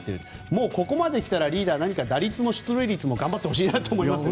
もうここまで来たらリーダー打率も出塁率も頑張ってほしいなと思いますね。